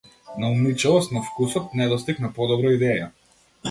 Наумничавост на вкусот, недостиг на подобра идеја?